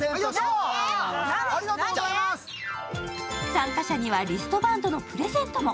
参加者にはリストバンドのプレゼントも。